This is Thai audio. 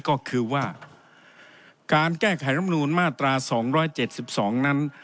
ก็คือว่าการแก้ไขรำนูลมาตรา๒๗๒นั้น